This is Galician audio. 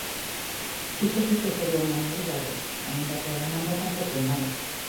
Iso si que sería unha novidade, aínda que a demanda tampouco é nova.